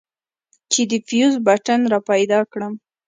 چې د فيوز بټن راپيدا کړم.